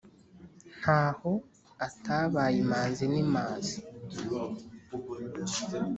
ntaho atabaye imanzi n' imazi.